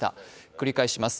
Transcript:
繰り返します。